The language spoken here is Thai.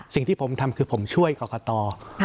สิ่งที่ผมทำคือผมช่วยกรกต